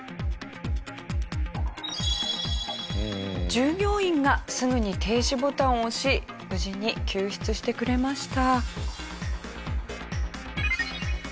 従業員がすぐに停止ボタンを押し無事に救出してくれました。